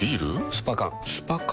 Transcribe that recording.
スパ缶スパ缶？